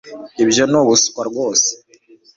ibyo ni ubuswa rwose